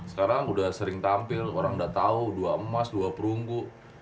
sekarang udah sering tampil orang udah tahu dua emas dua perunggu